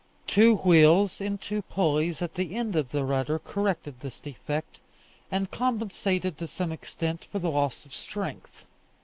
Two wheels in two pulleys at the end of the rudder corrected this defect, and compensated, to some extent, for the loss of strength.